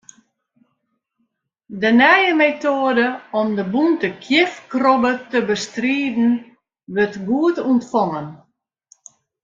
De nije metoade om de bûnte kjifkrobbe te bestriden, wurdt goed ûntfongen.